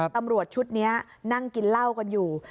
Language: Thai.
ตำรวจชุดนี้นั่งกินเหล้ากันอยู่